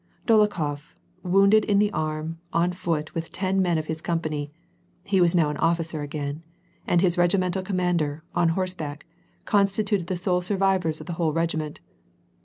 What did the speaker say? Dolokhof, wounded, in the arm, on foot, with ten men of bis company — he was now an officer again — and his regimental commander, on horseback, constituted the sole survivors of the whole regiment.